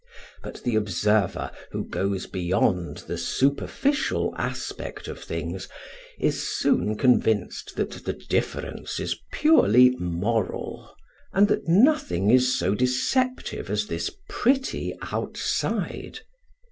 But the observer, who goes beyond the superficial aspect of things, is soon convinced that the difference is purely moral, and that nothing is so deceptive as this pretty outside.